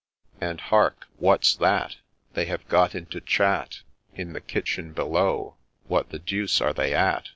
And hark !— what 's that ?— They have got into chat In the kitchen below — what the deuce are they at